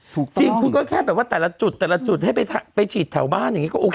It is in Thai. จริงคุณก็แค่แบบว่าแต่ละจุดแต่ละจุดให้ไปฉีดแถวบ้านอย่างนี้ก็โอเค